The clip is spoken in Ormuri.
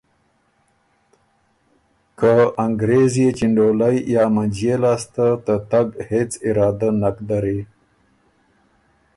که ته انګرېز يې چِنډولئ یا منجيې لاسته ته تګ هېڅ ارادۀ نک دری،